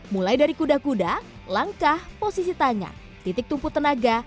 mulai dari kuda kuda langkah posisi tangan titik tumpu tenaga